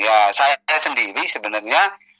ya saya sendiri sebenarnya